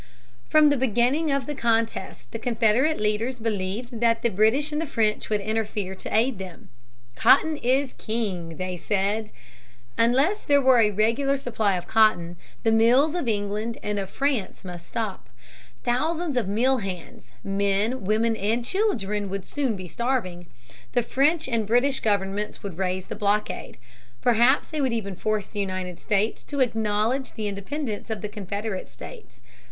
From the beginning of the contest the Confederate leaders believed that the British and the French would interfere to aid them. "Cotton is king," they said. Unless there were a regular supply of cotton, the mills of England and of France must stop. Thousands of mill hands men, women, and children would soon be starving. The French and the British governments would raise the blockade. Perhaps they would even force the United States to acknowledge the independence of the Confederate states.